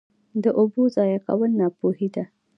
د اوبو ضایع کول ناپوهي ده.